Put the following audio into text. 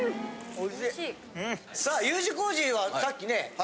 ・おいしい・さあＵ字工事はさっきね笑